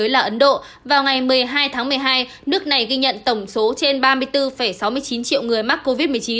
là ấn độ vào ngày một mươi hai tháng một mươi hai nước này ghi nhận tổng số trên ba mươi bốn sáu mươi chín triệu người mắc covid một mươi chín